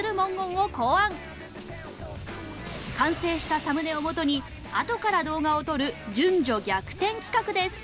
完成したサムネをもとにあとから動画を撮る順序逆転企画です